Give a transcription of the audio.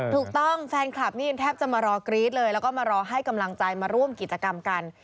ถูกต้องแฟนคลับนี่แทบจะมารอกรี๊ดเลยแล้วก็มารอให้กำลังใจมาร่วมกิจกรรมกัน